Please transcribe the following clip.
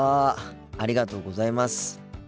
ありがとうございます。